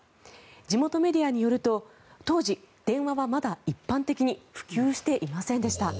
地元メディアによると当時、電話はまだ一般的に普及していませんでした。